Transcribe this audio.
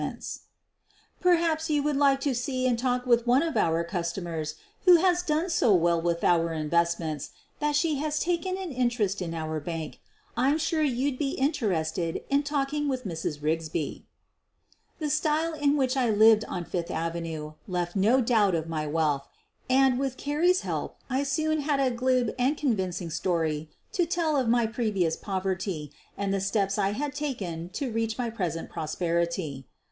QUEEN OF THE BURGLARS 97 Perhaps you would like to see and talk with one of our customers who has done so well with our in vestments that she has taken an interest in our bank. I'm sure you'd be interested in talking with Mrs. Rigsby." The style in which I lived on Fifth avenue left no doubt of my wealth, and, with Carrie 's help, I soon had a glib and convincing story to tell of my previ ous poverty and the steps I had taken to reach my present prosperity.